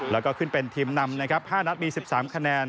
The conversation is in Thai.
แล้วก็ขึ้นเป็นทีมนำนะครับ๕นัดมี๑๓คะแนน